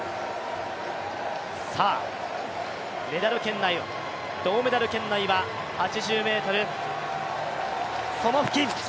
メダル圏内、銅メダル圏内は８０ｍ。